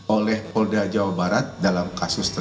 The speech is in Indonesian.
oleh polda jawa barat dalam kasus tersebut